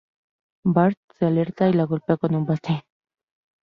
Bart se alerta y lo golpea con un bate.